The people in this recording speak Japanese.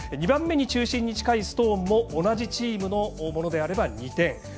２番目に中心に近いストーンも同じチームのものであれば２点。